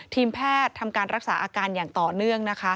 ทีมแพทย์ทำการรักษาอาการอย่างต่อเนื่องนะคะ